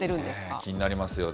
気になりますよね。